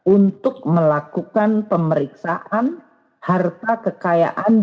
untuk melakukan pemeriksaan harta kekayaan